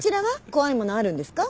怖いものあるんですか？